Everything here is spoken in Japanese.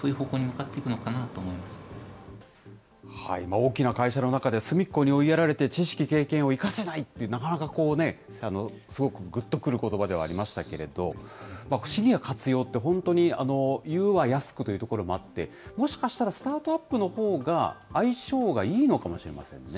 大きな会社の中で、隅っこに追いやられて、知識、経験を生かせない、なかなかすごく、ぐっとくることばではありましたけれど、シニア活用って、本当に言うはやすくというところもあって、もしかしたらスタートアップのほうが、相性がいいのかもしれませんね。